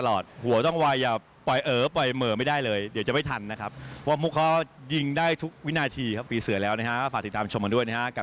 โอ้โฮนะคะติดตามได้ค่ะ